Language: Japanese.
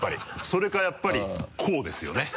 それかやっぱりこうですよね。